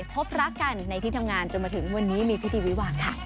พบรักกันในที่ทำงานจนมาถึงวันนี้มีพิธีวิวาค่ะ